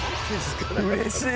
うれしい。